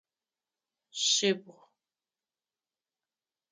Шъибгъу.